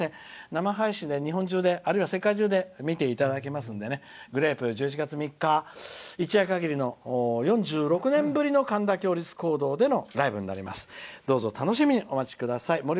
生配信で、日本中あるいは世界中で見ていただけますのでグレープ１１月３日一夜限りの４６年ぶりの神田共立講堂でのライブどうぞ楽しみにお待ちください。